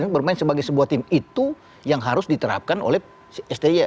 bermain sebagai sebuah tim itu yang harus diterapkan oleh sti